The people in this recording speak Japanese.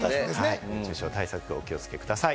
熱中症対策、お気をつけください。